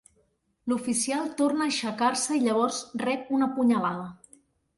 L'oficial torna a aixecar-se i llavors rep una punyalada.